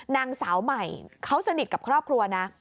นางสาวใหม่เขาสนิทกับครอบครัวนะ